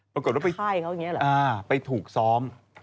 ปรากฏว่าไปถูกซ้อม